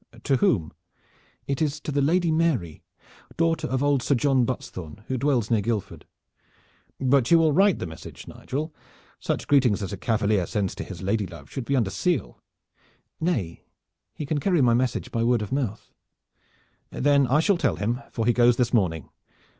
"To whom?" "It is to the Lady Mary, daughter of old Sir John Buttesthorn who dwells near Guildford." "But you will write the message, Nigel. Such greetings as a cavalier sends to his lady love should be under seal." "Nay, he can carry my message by word of mouth." "Then I shall tell him for he goes this morning.